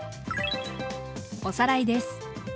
おさらいです。